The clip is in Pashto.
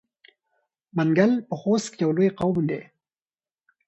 منګل په خوست کې یو لوی قوم دی.